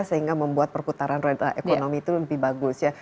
sehingga membuat perputaran ekonomi itu lebih bagus ya